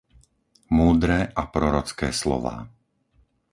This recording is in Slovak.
Múdre a prorocké slová.